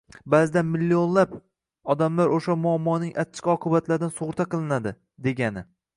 ba’zida millionlab odamlar o‘sha muammoning achchiq oqibatlaridan sug‘urta qilinadi, degani.